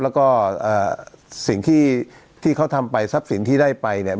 แล้วก็สิ่งที่ที่เขาทำไปทรัพย์สินที่ได้ไปเนี่ย